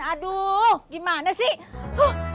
aduh gimana sih